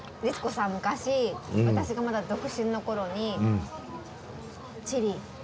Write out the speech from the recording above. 律子さん昔私がまだ独身の頃に千里。